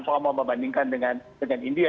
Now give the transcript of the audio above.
kalau mau membandingkan dengan india